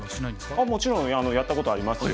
もちろんやったことありますよ。